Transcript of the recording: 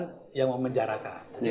kebebasan yang memenjarakan